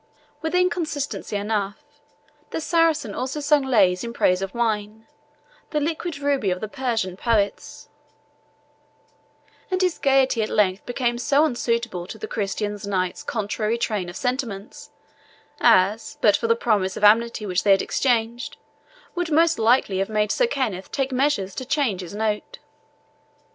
With inconsistency enough, the Saracen also sung lays in praise of wine, the liquid ruby of the Persian poets; and his gaiety at length became so unsuitable to the Christian knight's contrary train of sentiments, as, but for the promise of amity which they had exchanged, would most likely have made Sir Kenneth take measures to change his note.